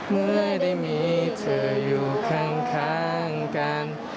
เมื่อได้มีเธออยู่ข้างกัน